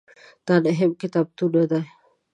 دا نهه کتابونه دي.